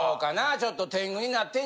ちょっと。